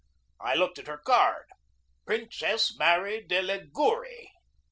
I looked at her card. Princess Mary de Ligouri!